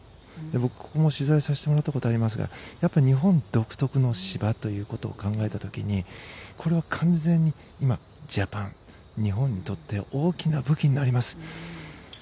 ここも取材させてもらったことがありますがやっぱり日本独特の芝ということを考えた時にこれは完全にジャパン日本にとって大きな武器になります。